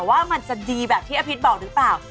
ว่ามันจะดีแบบที่อภิษบอกหรือเปล่า